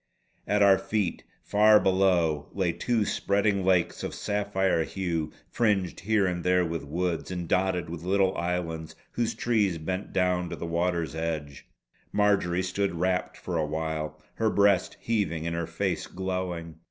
At our feet far below, lay two spreading lakes of sapphire hue, fringed here and there with woods, and dotted with little islands whose trees bent down to the water's edge. Marjory stood rapt for awhile, her breast heaving and her face glowing.